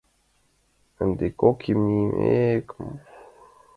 Ынде кок имньым... э-э... км...